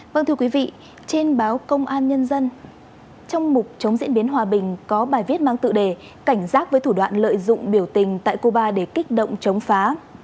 vâng thưa quý vị trên báo công an nhân dân trong mục chống diễn biến hòa bình có bài viết mang tựa đề cảnh giác với thủ đoạn lợi dụng biểu tình tại cuba để kích động chống phá